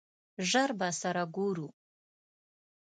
ژر به سره ګورو!